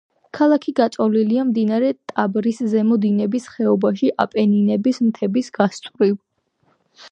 ქალაქი გაწოლილია მდინარე ტიბრის ზემო დინების ხეობაში, აპენინების მთების გასწვრივ.